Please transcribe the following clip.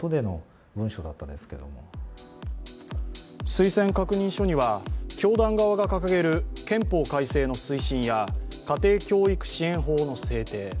推薦確認書には教団側が掲げる憲法改正のことや家庭教育支援法の制定